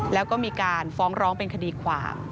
แล้วก็มีการฟ้องร้องเป็นคดีความ